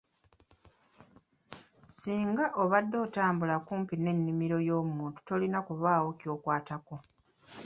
Singa obadde otambula kumpi n'ennimiro y'omuntu tolina kubaawo ky'okwatako.